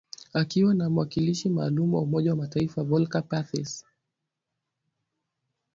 akiwa na mwakilishi maalum wa Umoja wa mataifa Volker Perthes